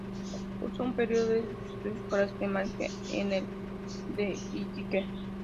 Cursó un periodo de sus estudios escolares primarios en el de Iquique.